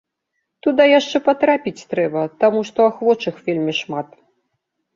Туды яшчэ патрапіць трэба, таму што ахвочых вельмі шмат.